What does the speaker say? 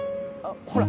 ほら。